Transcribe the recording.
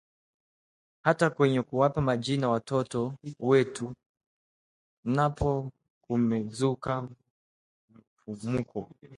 hata kwenye kuwapa majina watoto wetu napo kumezuka mfumuko